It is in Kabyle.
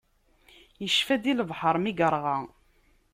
Icfa-d i lebḥeṛ mi yeṛɣa.